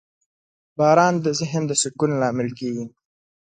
• باران د ذهن د سکون لامل کېږي.